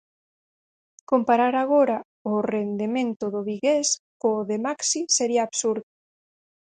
Comparar agora o rendemento do vigués co de Maxi sería absurdo.